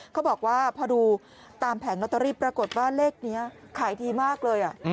เขาบอกว่าพอดูตามแผงลอตเตอรี่ปรากฏว่าเลขนี้ขายดีมากเลย